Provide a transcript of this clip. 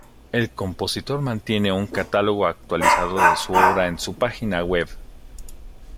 El compositor mantiene un catálogo actualizado de su obra en su página web.